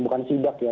bukan sibak ya